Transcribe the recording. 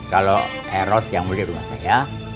kalau eros yang mulia rumah saya